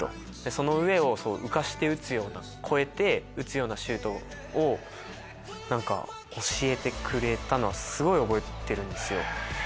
その上を浮かして打つような越えて打つようなシュートを何か教えてくれたのはすごい覚えてるんですよ。